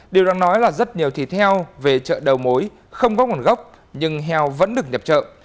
điều đang nói là rất nhiều thịt heo về chợ đầu mối không có nguồn gốc nhưng heo vẫn được nhập chợ